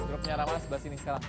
duru penyala lo sebelah sini sekarang